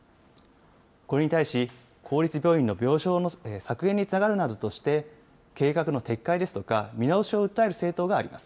これに対し、公立病院の病床の削減につながるなどとして、計画の撤回ですとか、見直しを訴える政党があります。